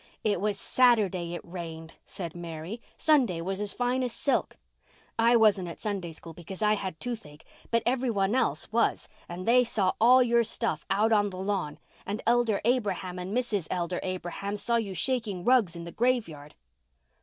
"It was Saturday it rained," said Mary. "Sunday was as fine as silk. I wasn't at Sunday School because I had toothache, but every one else was and they saw all your stuff out on the lawn. And Elder Abraham and Mrs. Elder Abraham saw you shaking rugs in the graveyard."